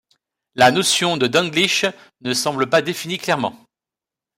La notion de denglisch ne semble pas définie clairement.